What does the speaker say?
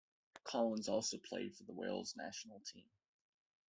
Collins also played for the Wales national team.